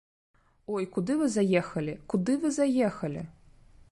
Ой, куды вы заехалі, куды вы заехалі?